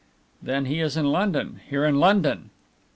"Then he is in London here in London!"